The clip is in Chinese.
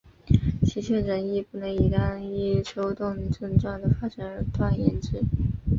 其确诊亦不能以单一抽动症状的发生而断言之。